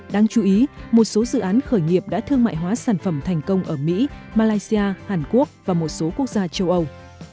đáng chú ý một số dự án khởi nghiệp đã thương mại hóa sản phẩm thành công ở mỹ malaysia hàn quốc và một số quốc gia châu âu